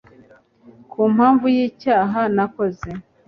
ku mpamvu y’icyaha nakoze